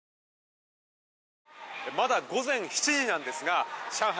まだ午前７時なんですが上海